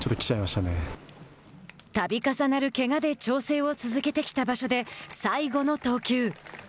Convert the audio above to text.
たび重なるけがで調整を続けてきた場所で最後の投球。